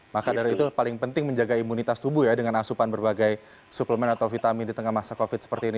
maka dari itu paling penting menjaga imunitas tubuh ya dengan asupan berbagai suplemen atau vitamin di tengah masa covid seperti ini